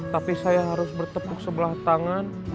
tapi saya harus bertepuk sebelah tangan